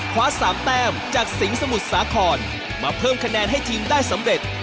คว้า๓แต้มจากสิงห์สมุทรสาครมาเพิ่มคะแนนให้ทีมได้สำเร็จ